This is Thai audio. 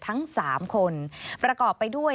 ทั้ง๓คนประกอบไปด้วย